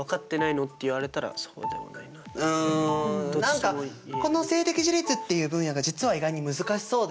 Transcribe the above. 何かこの性的自立っていう分野が実は意外に難しそうだよね。